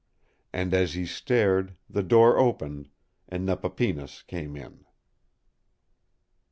And as he stared, the door opened, and Nepapinas came in.